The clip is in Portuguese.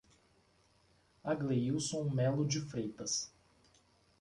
Agleilson Melo de Freitas